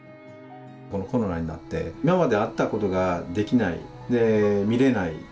このコロナになって今まであったことができないで見れない。